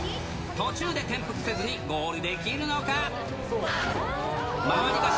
途中で転覆せずに、ゴールできるのか。